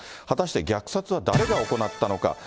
果たして、虐殺は誰が行ったのか。